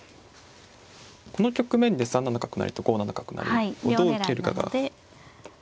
この局面で３七角成と５七角成をどう受けるかが。